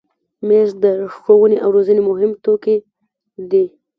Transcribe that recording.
مېز د ښوونې او روزنې مهم توکي دي.